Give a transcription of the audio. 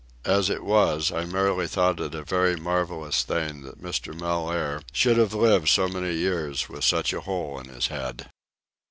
As it was, I merely thought it a very marvellous thing that Mr. Mellaire should have lived so many years with such a hole in his head.